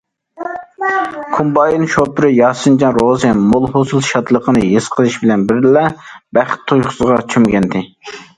كومبايىن شوپۇرى ياسىنجان روزى مول ھوسۇل شادلىقىنى ھېس قىلىش بىلەن بىللە، بەخت تۇيغۇسىغا چۆمگەنىدى.